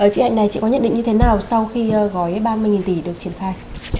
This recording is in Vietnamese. chị hạnh này chị có nhận định như thế nào sau khi gói ba mươi tỷ được triển khai